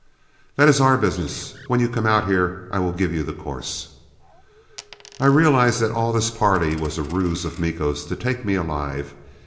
"That is our business. When you come out here, I will give you the course." I realized that all this parley was a ruse of Miko's to take me alive.